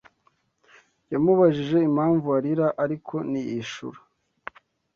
Yamubajije impamvu arira, ariko ntiyishura.